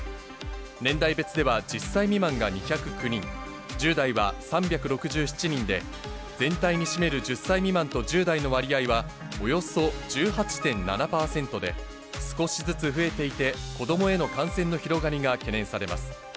年代別では１０歳未満が２０９人、１０代は３６７人で、全体に占める１０歳未満と１０代の割合はおよそ１８．７％で、少しずつ増えていて、子どもへの感染の広がりが懸念されます。